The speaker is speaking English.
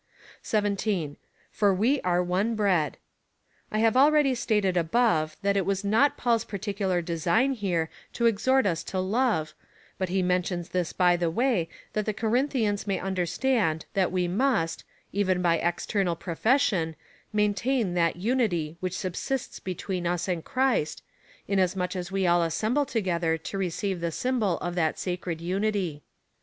17. For we are one bread. I have already stated above,^ that it was not Pauls particular design here to exhort us to love,^but he mentions this by the way, that the Corinthians may understand that we must, even by external profession, maintain that unity which subsists between us and Christ, inasmuch as we all assemble together to receive the symbol of that sacred unity.